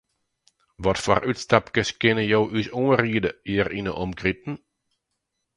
Watfoar útstapkes kinne jo ús oanriede hjir yn 'e omkriten?